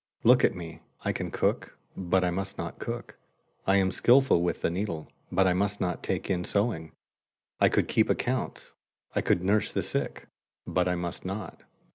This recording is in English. Look at me: I can cook, but I must not cook; I am skilful with the needle, but I must not take in sewing; I could keep accounts; I could nurse the sick; but I must not."